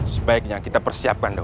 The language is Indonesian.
sebaiknya kita persiapkan dong